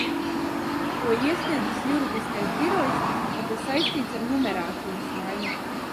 To iesniedzis Juridiskais birojs, un tas saistīts ar numerācijas maiņu.